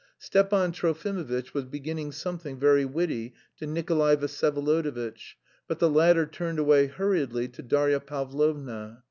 Stepan Trofimovitch was beginning something very witty to Nikolay Vsyevolodovitch, but the latter turned away hurriedly to Darya Pavlovna.